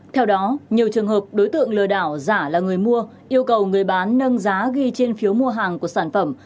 theo đó nhiều trường hợp đối tượng lừa đảo giả là người mua yêu cầu người bán nâng giá ghi trên phiếu mua hàng của sản phẩm